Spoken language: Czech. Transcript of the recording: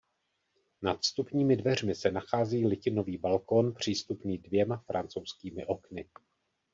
Nad vstupními dveřmi se nachází litinový balkón přístupný dvěma francouzskými okny.